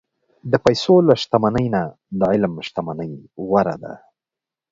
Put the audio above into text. د پیسو له شتمنۍ نه، د علم شتمني غوره ده.